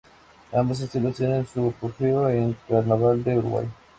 Ambos estilos tienen su apogeo en el Carnaval de Uruguay.